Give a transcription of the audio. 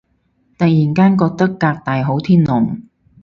突然間覺得革大好天龍